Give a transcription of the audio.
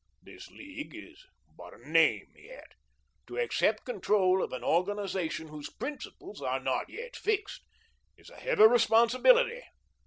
This League is but a name as yet. To accept control of an organisation whose principles are not yet fixed is a heavy responsibility.